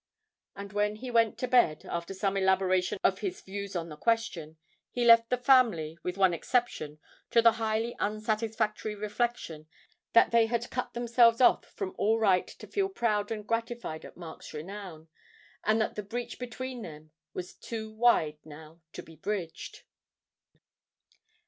And when he went to bed, after some elaboration of his views on the question, he left the family, with one exception, to the highly unsatisfactory reflection that they had cut themselves off from all right to feel proud and gratified at Mark's renown, and that the breach between them was too wide now to be bridged.